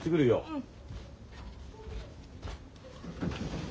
うん。